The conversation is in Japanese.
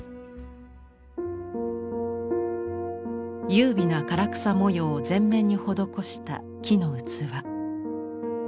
優美な唐草模様を全面に施した木の器。